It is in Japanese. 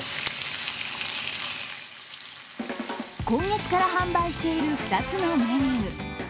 今月から販売している２つのメニュー。